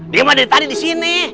dia mah dari tadi di sini